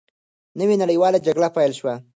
نوې نړیواله جګړه پیل شوه.